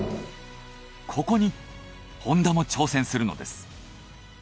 ここにホンダも挑戦するのです。